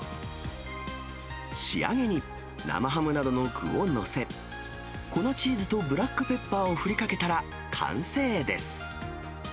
仕上げに生ハムなどの具を載せ、粉チーズとブラックペッパーを振りかけたら完成です。